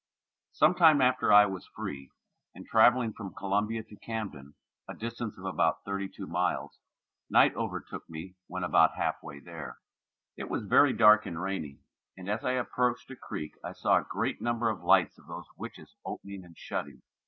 Sometime after I was free, in travelling from Columbia to Camden, a distance of about thirty two miles, night overtook me when about half way there; it was very dark and rainy, and as I approached a creek I saw a great number of lights of those witches opening and shutting.